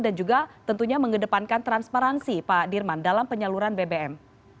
dan juga tentunya mengedepankan transparansi pak dirman dalam penyaluran bbm